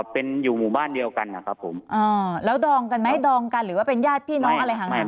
เป็นอยู่หมู่บ้านเดียวกันนะครับผมอ่าแล้วดองกันไหมดองกันหรือว่าเป็นญาติพี่น้องอะไรห่างนั้น